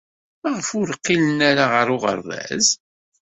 Maɣef ur qqilen ara ɣer uɣerbaz?